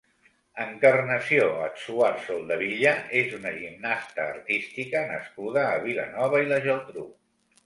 Encarnació Adsuar Soldevilla és una gimnasta artística nascuda a Vilanova i la Geltrú.